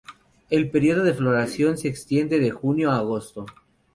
El periodo de floración se extiende de junio a agosto.